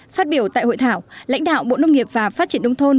phát biểu tại hội thảo lãnh đạo bộ nông nghiệp và phát triển nông thôn